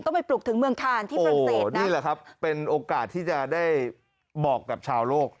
ไปปลุกถึงเมืองคานที่ฝรั่งเศสนี่แหละครับเป็นโอกาสที่จะได้บอกกับชาวโลก